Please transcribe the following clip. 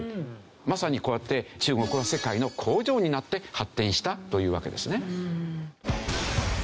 まさにこうやって中国は世界の工場になって発展したというわけですね。